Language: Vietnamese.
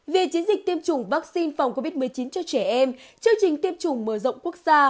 về chiến dịch tiêm chủng vaccine phòng covid một mươi chín cho trẻ em chương trình tiêm chủng mở rộng quốc gia